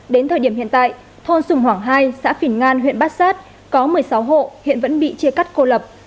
đến thời điểm hiện tại thôn sùng hoàng hai xã phìn ngan huyện bát sát có một mươi sáu hộ hiện vẫn bị chia cắt cô lập